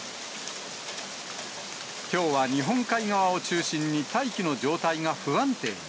きょうは日本海側を中心に大気の状態が不安定に。